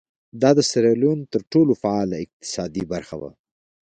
دا د سیریلیون تر ټولو فعاله اقتصادي برخه وه.